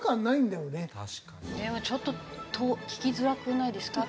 でもちょっと聞きづらくないですか？